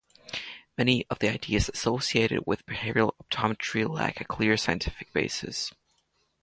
Many of the ideas associated with behavioral optometry lack a clear scientific basis.